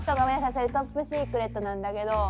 それトップシークレットなんだけど。